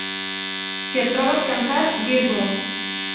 Si et trobes cansat, dis-m'ho.